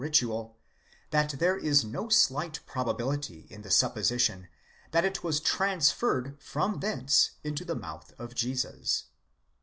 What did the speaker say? ritual, that there is no slight probability in the supposition that it was trans ferred from thence into the mouth of Jesus.